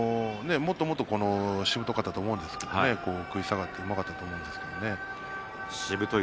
もっともっとしぶとかったと思うんですけれども食い下がっていなかったと思うんです。